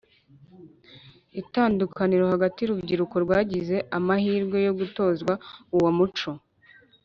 Itandukaniro hagati y urubyiruko rwagize amahirwe yo gutozwa uwo muco